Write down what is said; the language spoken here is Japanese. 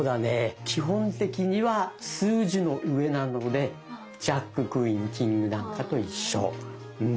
基本的には数字の上なのでジャッククイーンキングなんかと一緒。